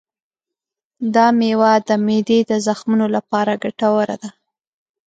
دا مېوه د معدې د زخمونو لپاره ګټوره ده.